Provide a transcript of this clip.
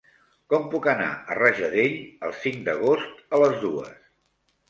Com puc anar a Rajadell el cinc d'agost a les dues?